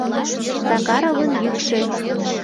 Сакаровын йӱкшӧ.